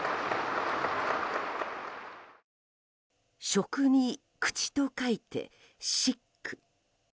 食に口と書いてシック。